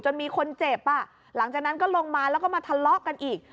มีคนเจ็บอ่ะหลังจากนั้นก็ลงมาแล้วก็มาทะเลาะกันอีก